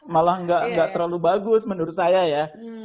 malah nggak terlalu bagus menurut saya ya